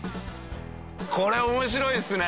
これ面白いっすね！